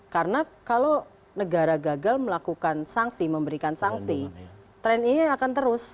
karena kalau negara gagal melakukan sanksi memberikan sanksi trend ini akan terus